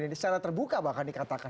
secara terbuka bahkan dikatakan